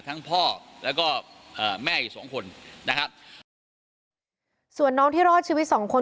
พ่อแล้วก็เอ่อแม่อีกสองคนนะครับส่วนน้องที่รอดชีวิตสองคน